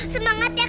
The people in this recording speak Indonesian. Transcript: semangat ya kak